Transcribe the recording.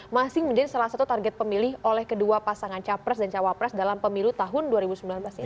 masih menjadi salah satu target pemilih oleh kedua pasangan capres dan cawapres dalam pemilu tahun dua ribu sembilan belas ini